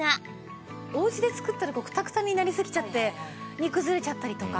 おうちで作ったらクタクタになりすぎちゃって煮崩れちゃったりとか。